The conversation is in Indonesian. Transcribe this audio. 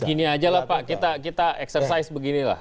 gini aja lah pak kita eksersis beginilah